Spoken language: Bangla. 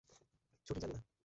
সাঠিক জানি না।